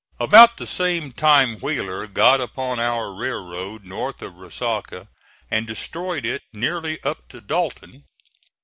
About the same time Wheeler got upon our railroad north of Resaca and destroyed it nearly up to Dalton.